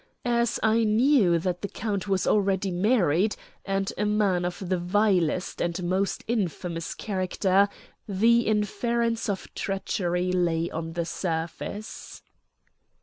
As I knew that the count was already married, and a man of the vilest and most infamous character, the inference of treachery lay on the surface."